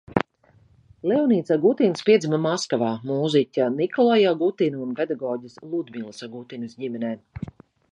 Leonīds Agutins piedzima Maskavā, mūziķa Nikolaja Agutina un pedagoģes Ludmilas Agutinas ģimenē.